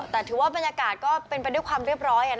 แต่ถือว่าบรรยากาศก็เป็นไปด้วยความเรียบร้อย